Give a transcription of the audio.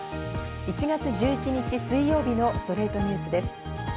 １月１１日、水曜日の『ストレイトニュース』です。